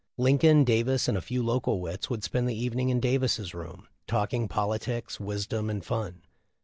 Lincoln, Davis, and a few local wits would spend the evening in Davis's room, talking politics, wisdom, and fun.